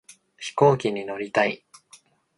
飛行機に乗りたい